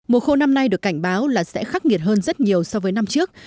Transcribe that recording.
mùa khô năm nay được cảnh báo là sẽ khắc nghiệt hơn rất nhiều so với năm trước